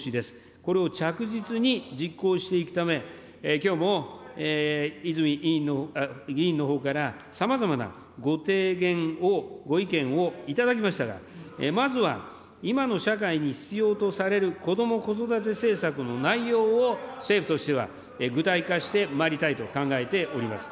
これを着実に実行していくため、きょうも泉議員のほうから、さまざまなご提言を、ご意見を頂きましたが、まずは、今の社会に必要とされるこども・子育て政策の内容を政府としては具体化してまいりたいと考えております。